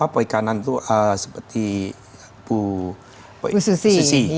perikanan itu seperti bu institusi